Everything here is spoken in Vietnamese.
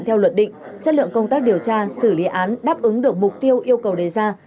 theo luật định chất lượng công tác điều tra xử lý án đáp ứng được mục tiêu yêu cầu đề ra